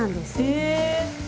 へえ！